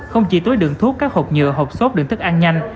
không chỉ tối đường thuốc các hộp nhựa hộp sốt đường thức ăn nhanh